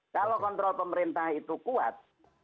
kalau kontrol pemerintah itu kuat